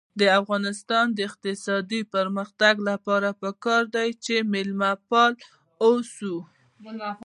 د افغانستان د اقتصادي پرمختګ لپاره پکار ده چې مېلمه پال اوسو.